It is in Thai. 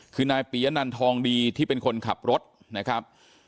คือนายปียะนันทองดีที่เป็นคนขับรถนะครับ